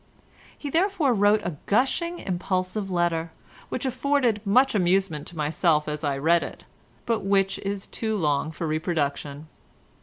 He therefore wrote a gushing impulsive letter, which afforded much amusement to myself as I read it, but which is too long for reproduction.